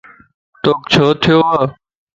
توکَ ڇو ٿيوَ؟